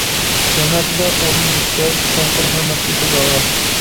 جەمەتىدە ئورنى يۈكسەك، چوڭقۇر ھۆرمەتكە سازاۋەر.